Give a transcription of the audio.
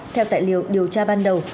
theo tài liệu điều tra ban đầu